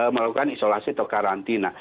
melakukan isolasi atau karantina